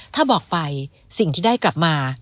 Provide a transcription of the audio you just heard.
ถ้าบอกไปสิ่งที่ได้กลับมา